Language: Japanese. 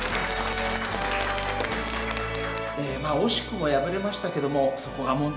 まあ惜しくも敗れましたけどもそこが問題じゃない。